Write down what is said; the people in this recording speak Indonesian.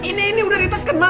ini ini udah diteken ma